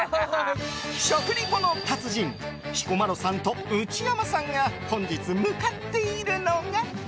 食リポの達人彦摩呂さんと内山さんが本日向かっているのが。